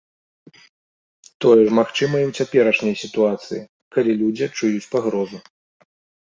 Тое ж магчыма і ў цяперашняй сітуацыі, калі людзі адчуюць пагрозу.